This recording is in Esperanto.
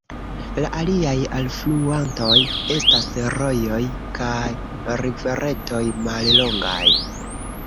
La aliaj alfluantoj estas rojoj kaj riveretoj mallongaj.